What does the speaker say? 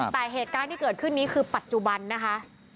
แต่เหตุการณ์ที่เกิดขึ้นนี้คือปัจจุบันนะคะ